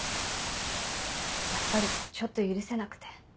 やっぱりちょっと許せなくて。